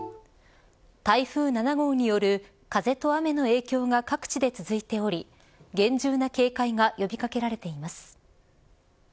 台風７号による風と雨の影響が各地で続いており厳重な警戒が呼び掛けられています。